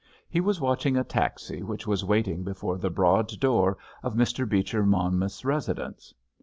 He was watching a taxi which was waiting before the broad door of Mr. Beecher Monmouth's residence.